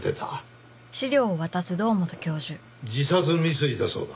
自殺未遂だそうだ。